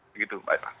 begitu pak eta